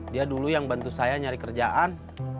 dia dulu yang bantu saya nyari kerjaan